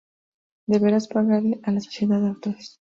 deberás pagarle a la sociedad de autores